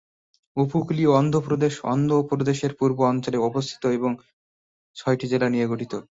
উপকূলীয় অন্ধ্রপ্রদেশ অন্ধ্রপ্রদেশের পূর্ব অঞ্চলে অবস্থিত এবং ছয়টি জেলা নিয়ে গঠিত।